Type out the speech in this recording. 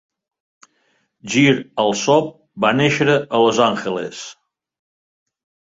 Geer-Alsop va néixer a Los Angeles.